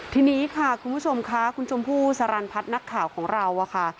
ทีนี้ค่ะคุณผู้ชมค่ะคุณชมพู่สรรพัฒน์นักข่าวของเราอะค่ะ